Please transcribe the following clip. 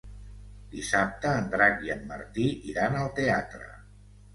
Dissabte en Drac i en Martí iran al teatre.